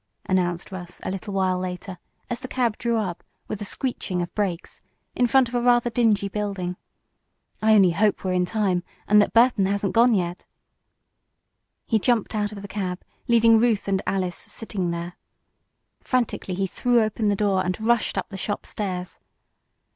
announced Russ, a little later, as the cab drew up, with a screeching of brakes, in front of a rather dingy building. "I only hope we're in time, and that Burton hasn't gone yet." He jumped out of the cab, leaving Ruth and Alice sitting there. Frantically he threw open the door and rushed up the shop stairs.